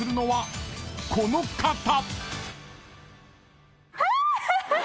［この方］